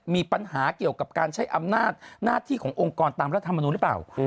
มีปัญหาเกี่ยวกับการใช้อำนาจหน้าที่ขององค์กรตามรัฐมนุนหรือเปล่า